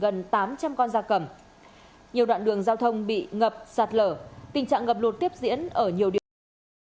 nhiều đoạn đường giao thông bị ngập sạt lở tình trạng ngập lụt tiếp diễn ở nhiều địa phương